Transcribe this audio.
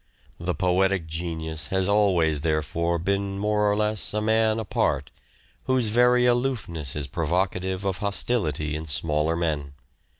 The poetic genius has always, therefore, been more or less a man apart, whose very aloofness is provocative of hos tility in smaller men.